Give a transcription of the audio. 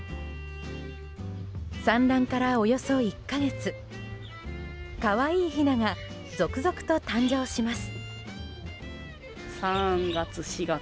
産卵からおよそ１か月可愛いひなが続々と誕生します。